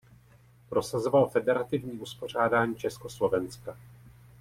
Prosazoval federativní uspořádání Československa.